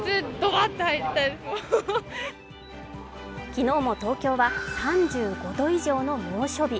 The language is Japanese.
昨日も東京は３５度以上の猛暑日。